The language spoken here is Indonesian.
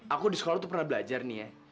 aku di sekolah tuh pernah belajar nih ya